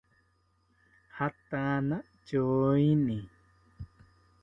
Jatana tyoeni